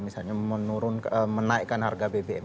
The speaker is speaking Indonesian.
misalnya menaikkan harga bbm